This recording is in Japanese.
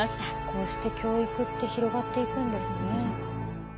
こうして教育って広がっていくんですね。